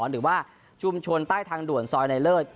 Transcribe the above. หรือว่าชุมชนใต้ทางด่วนซอยในเลิศ